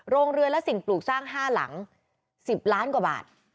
โรงเรือและสิ่งปลูกสร้าง๕หลัง๑๐ล้านกว่าบาท